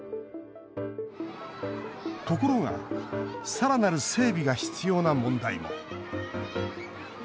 ところがさらなる整備が必要な問題も。